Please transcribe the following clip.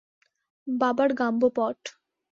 বাবার গাম্বো পট।